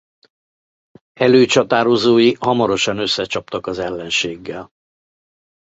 Előcsatározói hamarosan összecsaptak az ellenséggel.